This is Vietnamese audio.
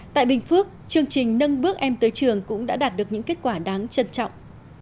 tại bình phước chương trình nâng bước em tới trường cũng đã đạt được những kết quả đáng trân trọng